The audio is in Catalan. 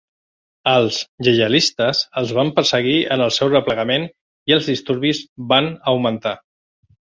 Els lleialistes els van perseguir en el seu replegament i els disturbis van augmentar.